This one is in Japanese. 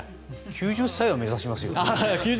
９０歳は目指しますよ。